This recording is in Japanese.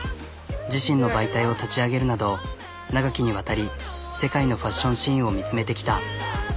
自身の媒体を立ち上げるなど長きにわたり世界のファッションシーンを見つめてきた。